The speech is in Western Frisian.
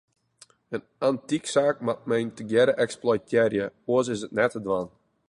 In antyksaak moat men tegearre eksploitearje, oars is it net te dwaan.